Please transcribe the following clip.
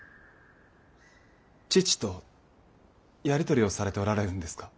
父とやり取りをされておられるんですか？